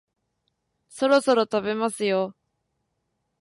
そろそろ食べますよ